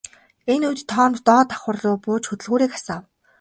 Энэ үед Том доод давхарруу бууж хөдөлгүүрийг асаав.